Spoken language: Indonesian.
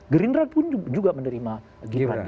gerindra pun juga menerima gibran